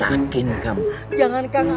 jangan macem macem sama anak muslihat